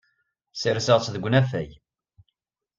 Sserseɣ-tt deg unafag.